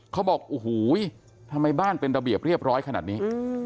เขาบอกโอ้โหทำไมบ้านเป็นระเบียบเรียบร้อยขนาดนี้